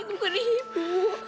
itu bukan ibu